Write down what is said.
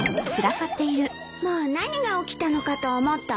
もう何が起きたのかと思ったわ。